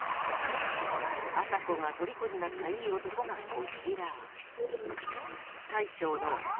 あさこがとりこになったいい男がこちら。